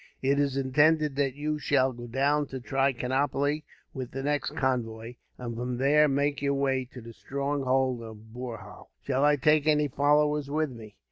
It is intended that you shall go down to Trichinopoli, with the next convoy; and from there make your way to the stronghold of Boorhau." "Shall I take any followers with me?"